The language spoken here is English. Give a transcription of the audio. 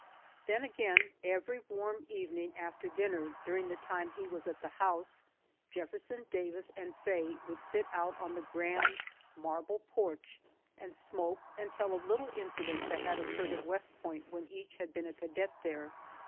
Then, again, every warm evening after dinner, during the time he was at the house, Jefferson Davis and Faye would sit out on the grand, marble porch and smoke and tell of little incidents that had occurred at West Point when each had been a cadet there.